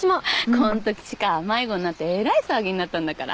こんとき千佳迷子になってえらい騒ぎになったんだから。